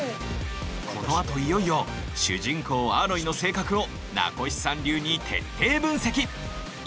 このあといよいよ主人公アーロイの性格を名越さん流に徹底分析！